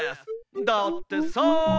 だってさ！」。